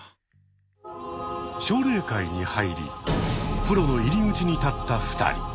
奨励会に入りプロの入り口に立った２人。